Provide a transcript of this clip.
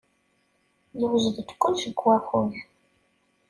Yewjed-d kullec deg wakud.